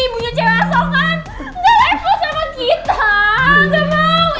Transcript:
ibu nya cewek asongan